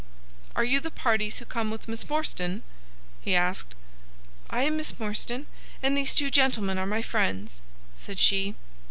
"Are you the parties who come with Miss Morstan?" he asked. "I am Miss Morstan, and these two gentlemen are my friends," said she.